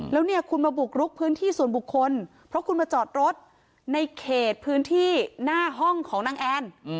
แล้วเนี่ยคุณมาบุกรุกพื้นที่ส่วนบุคคลเพราะคุณมาจอดรถในเขตพื้นที่หน้าห้องของนางแอน